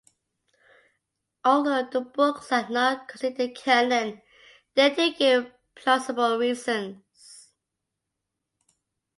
Although the books are not considered canon, they do give plausible reasons.